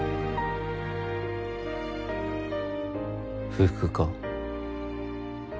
不服か？